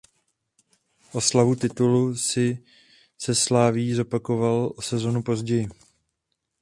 Oslavu titulu si se Slavií zopakoval i o sezonu později.